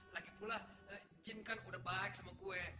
lagipula jin kan udah baik sama gue